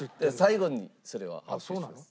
最後にそれは発表します。